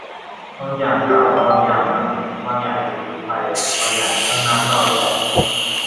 บางอย่างเก่า บางอย่างใหม่ บางอย่างถูกยืมไป บางอย่างช่างน่าเศร้าใจ